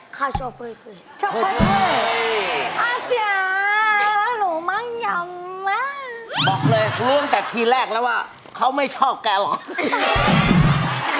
บอกเลยเรื่องแต่ทีแรกแล้วว่าเขาไม่ชอบแกหรอก